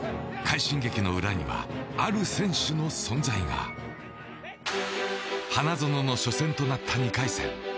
快進撃の裏にはある選手の存在が花園の初戦となった２回戦。